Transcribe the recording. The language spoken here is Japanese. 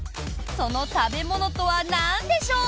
その食べ物とはなんでしょう？